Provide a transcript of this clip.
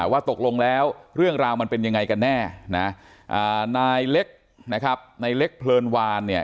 ว่าตกลงแล้วเรื่องราวมันเป็นยังไงกันแน่นะนายเล็กนะครับนายเล็กเพลินวานเนี่ย